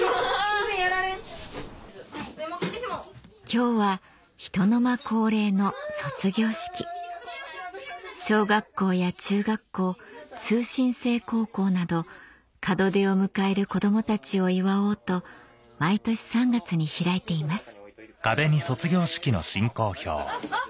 今日はひとのま恒例の卒業式小学校や中学校通信制高校など門出を迎える子どもたちを祝おうと毎年３月に開いています